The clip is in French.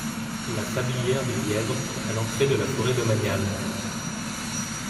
La sablière du lièvre, à l'entrée de la forêt domaniale.